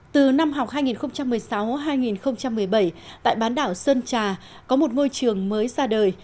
từ năm học hai nghìn một mươi sáu hai nghìn một mươi bảy tại bán đảo sơn trà có một ngôi trường mới ra đời